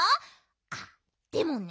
あっでもね。